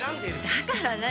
だから何？